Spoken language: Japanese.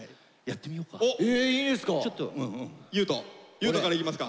優斗からいきますか。